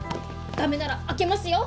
駄目なら開けますよ！